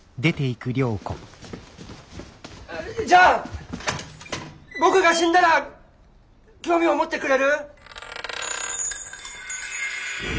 じゃあ僕が死んだら興味を持ってくれる？